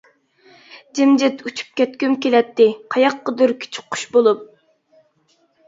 جىمجىت ئۇچۇپ كەتكۈم كېلەتتى، قاياققىدۇر كىچىك قۇش بولۇپ.